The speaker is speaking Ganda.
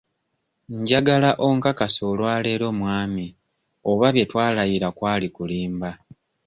Njagala onkakase olwaleero mwami oba bye twalayira kwali kulimba.